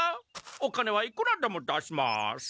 お金はいくらでも出します！